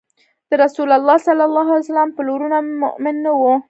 د رسول الله ﷺ پلرونه مؤمن نه وو